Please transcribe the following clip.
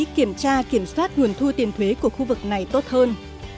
kiểm tra kiểm soát nguồn thu tiền thuế của khu vực này tốt hơn